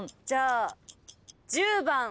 じゃあ１０番。